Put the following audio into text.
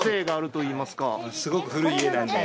すごく古い家なので。